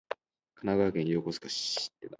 神奈川県横須賀市